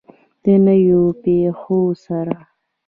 د نویو پیښو سره.